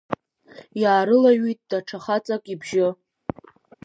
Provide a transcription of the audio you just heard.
Иаарылаҩит даҽа хаҵак ибжьы.